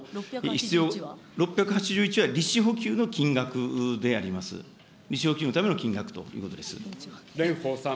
６８１は利子補給の金額であります、利子補給のための金額ということでございます。